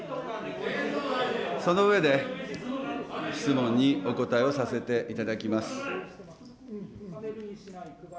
その上で、質問にお答えをさせていただきます。